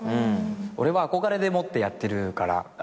俺は憧れでもってやってるから。